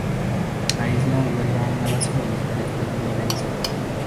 La isla alberga una base militar estadounidense.